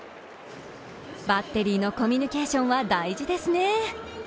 バッテリーのコミュニケーションは大事ですね。